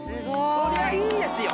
こりゃいいですよ。